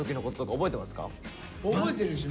覚えてるでしょ？